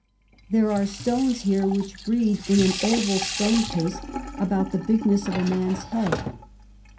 There are Stones here which breed in an oval Stone Case, about the bigness of a Man's Head.